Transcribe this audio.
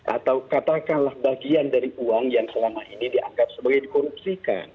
atau katakanlah bagian dari uang yang selama ini dianggap sebagai dikorupsikan